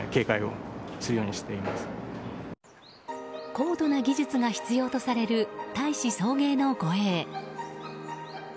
高度な技術が必要とされる大使送迎の護衛。